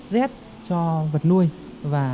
rết cho vật nuôi và